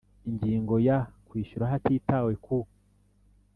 Ingingo ya Kwishyura hatitawe ku